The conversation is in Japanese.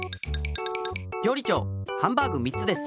りょうり長ハンバーグ３つです。